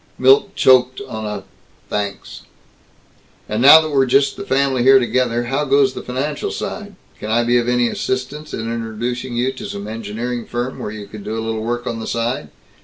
Milt choked on a "Thanks." "And now that we're just the family here together how goes the financial side? Can I be of any assistance in introducing you to some engineering firm where you could do a little work on the side?